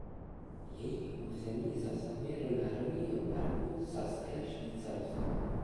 Její území zasahuje do národního parku Saské Švýcarsko.